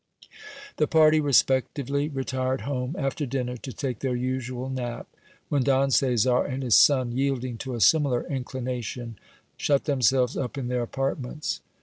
The party respectively retired home after dinner to take their usual nap, when Don Caesar and his son, yielding to a similar inclination, shut themselves up in their apartments.